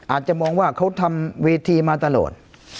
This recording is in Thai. อาจจะมองว่าเขาทำเวทีมาตลอด